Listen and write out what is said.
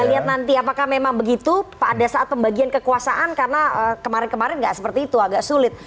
kita lihat nanti apakah memang begitu pada saat pembagian kekuasaan karena kemarin kemarin nggak seperti itu agak sulit